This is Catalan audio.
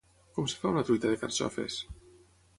Com es fa una truita de carxofes?